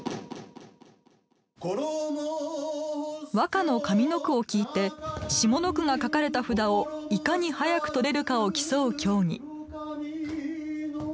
和歌の「上の句」を聞いて「下の句」が書かれた札をいかに早く取れるかを競う競技。